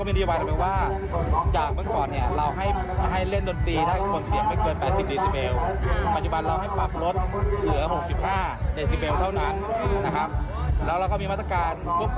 แม้ว่าโรงพยาบาลเองเราก็มีดีไว้ถึงว่า